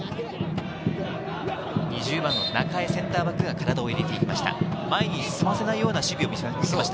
２０番の中江センターバックが体を入れていきました。